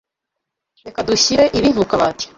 Reka dushyire ibi mu kabati.